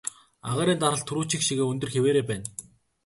Агаарын даралт түрүүчийнх шигээ өндөр хэвээрээ байна.